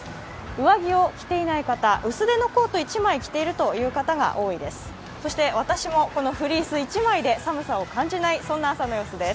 上着を着ていない方、薄手のコート１枚という方が多いです。